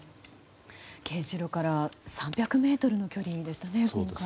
原子炉から３００ｍの距離でしたね、今回。